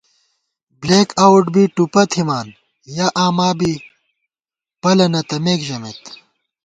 بلېک آؤٹ بی ٹُپہ تھِمان یَہ آما بی پلَہ نہ تمېک ژمېت